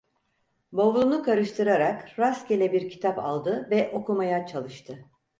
Bavulunu karıştırarak rastgele bir kitap aldı ve okumaya çalıştı.